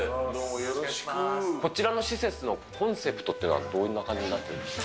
こちらの施設のコンセプトっていうのは、どんな感じになってるんですか。